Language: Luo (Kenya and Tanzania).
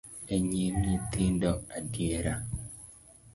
E nyim nyithindo adiera?